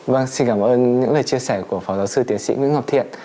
vâng xin cảm ơn những lời chia sẻ của phó giáo sư tiến sĩ nguyễn ngọc thiện